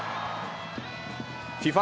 ＦＩＦＡ